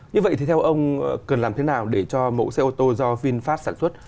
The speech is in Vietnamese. như vậy thì theo ông cần làm thế nào để cho mẫu xe ô tô do vinfast sản xuất